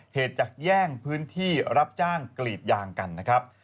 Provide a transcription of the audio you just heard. เหตุจากแย่งพื้นที่รับจ้างกรีดยางกันนะครับ